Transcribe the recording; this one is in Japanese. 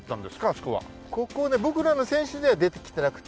ここ僕らの選手時代はできてなくて。